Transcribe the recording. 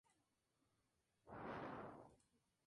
Compite actualmente en la Segunda División de España.